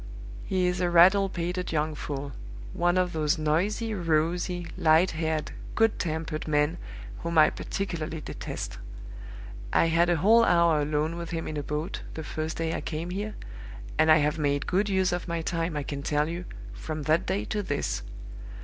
He is a rattle pated young fool one of those noisy, rosy, light haired, good tempered men whom I particularly detest. I had a whole hour alone with him in a boat, the first day I came here, and I have made good use of my time, I can tell you, from that day to this.